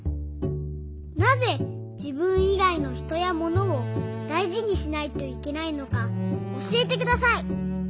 なぜじぶんいがいのひとやものをだいじにしないといけないのかおしえてください。